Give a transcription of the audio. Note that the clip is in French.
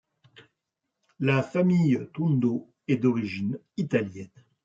La famille Tundo est d'origine italienne.